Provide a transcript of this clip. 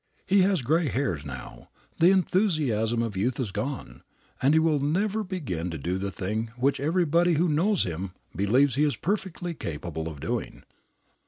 He has gray hairs now, the enthusiasm of youth is gone, and he never will begin to do the thing which everybody who knows him believes he is perfectly capable of doing.